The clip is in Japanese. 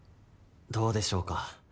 どうでしょうか。